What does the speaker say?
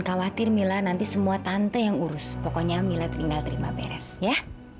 khawatir mila nanti semua tante yang urus pokoknya mila tinggal terima beres ya